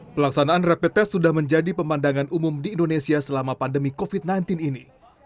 pelaksanaan rapid test sudah menjadi pemandangan umum di indonesia selama pandemi covid sembilan belas ini